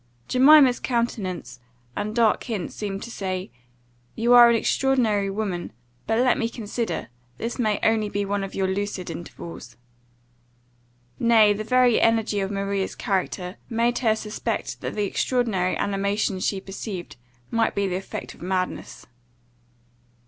Jemima's countenance, and dark hints, seemed to say, "You are an extraordinary woman; but let me consider, this may only be one of your lucid intervals." Nay, the very energy of Maria's character, made her suspect that the extraordinary animation she perceived might be the effect of madness.